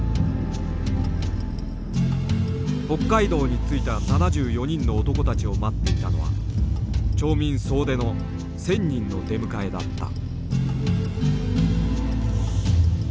北海道に着いた７４人の男たちを待っていたのは町民総出の１，０００人の出迎えだった。